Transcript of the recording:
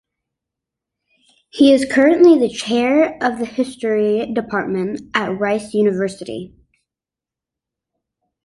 He is currently the chair of the history department at Rice University.